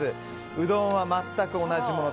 うどんは全く同じもの。